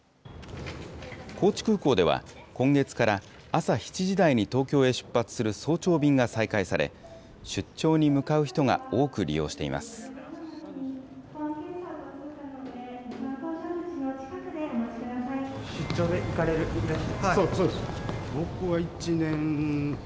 高知空港では、今月から、朝７時台に東京へ出発する早朝便が再開され、出張に向かう人が多く利用しています。